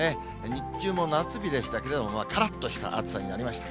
日中も夏日でしたけれども、からっとした暑さになりました。